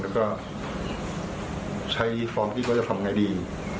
แล้วก็ใช้ฟอร์มคิดวิดว่าจะทำอะไรดี